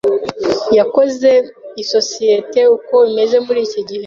Yakoze isosiyete uko imeze muri iki gihe.